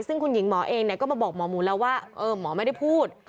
ซึ่งคุณหญิงหมอเองก็มาบอกหมอหมูแล้วว่าหมอไม่ได้พูด